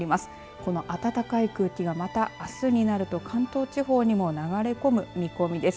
この暖かい空気がまたあすになると関東地方にも流れ込む見込みです。